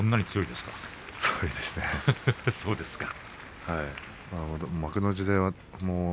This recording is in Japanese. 強いです。